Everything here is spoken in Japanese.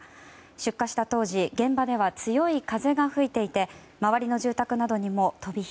出火した当時、現場では強い風が吹いていて周りの住宅などにも飛び火。